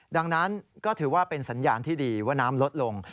ดังนั้นก็ถือว่าเป็นสัญญาณที่ดีว่าน้ำลดลง